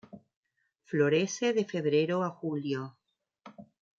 Florece de febrero a julio.